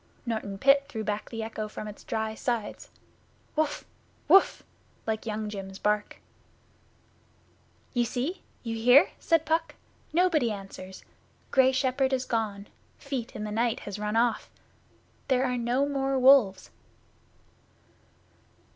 Norton Pit threw back the echo from its dry sides 'Wuff!' Wuff!' like Young jim's bark. 'You see? You hear?' said Puck. 'Nobody answers. Grey Shepherd is gone. Feet in the Night has run off. There are no more wolves.